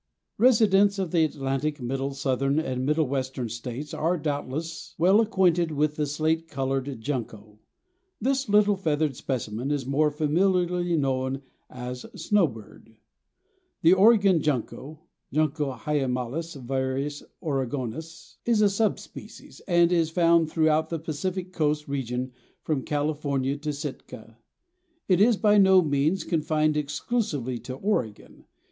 Residents of the Atlantic, Middle, Southern and Middle Western States are, doubtless, well acquainted with the slate colored Junco. This little feathered specimen is more familiarly known as "Snowbird." The Oregon Junco ("Junco hyemalis var. Oregonus") is a sub species, and is found throughout the Pacific coast region from California to Sitka. It is, by no means, confined exclusively to Oregon.